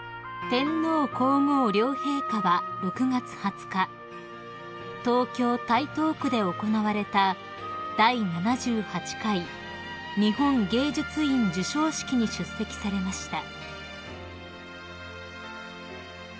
［天皇皇后両陛下は６月２０日東京台東区で行われた第７８回日本芸術院授賞式に出席されました］